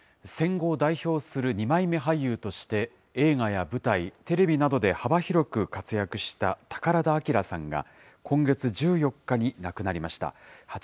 戦後を代表する二枚目俳優として、映画や舞台、テレビなどで幅広く活躍した宝田明さんが、今月１４日に亡くなりました。